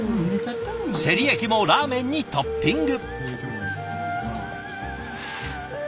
せり焼きもラーメンにトッピング。